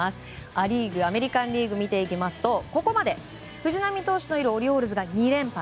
ア・リーグアメリカン・リーグを見るとここまで藤浪投手のいるオリオールズが２連敗。